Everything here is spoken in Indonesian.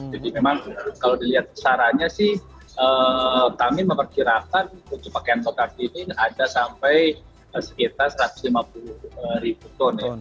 jadi memang kalau dilihat sarannya sih kami memperkirakan kecepatan potasi ini ada sampai sekitar satu ratus lima puluh ribu ton